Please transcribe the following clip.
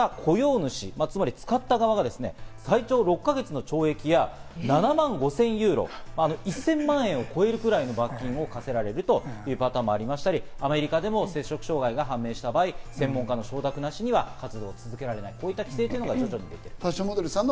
フランスでも違反した雇用主、使った側が最長６か月の懲役や、７万５０００ユーロ、１０００万円を超えるぐらいの罰金を科せられるというパターンもありましたり、アメリカでも摂食障害が判明した場合、専門家の承諾なしには活動を続けられないという規制があります。